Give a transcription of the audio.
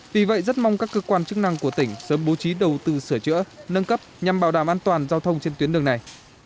vì vậy rất mong các cơ quan chức năng của tỉnh sớm bố trí đầu tư sửa chữa nâng cấp nhằm bảo đảm an toàn giao thông trên tuyến đường này